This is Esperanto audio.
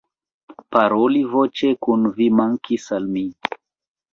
Paroli voĉe kun vi mankis al mi